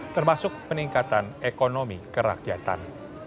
termasuk peningkatan ekonomi kerakyatan